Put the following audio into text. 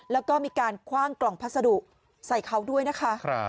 แล้วก็มีการคว่างกล่องพัสดุใส่เขาด้วยนะคะ